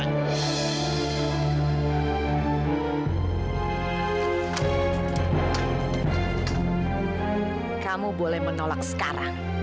saya tidak akan menolak sekarang